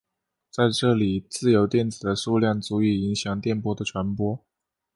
在这里自由电子的数量足以影响电波的传播。